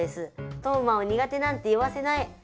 トーマを苦手なんて言わせない！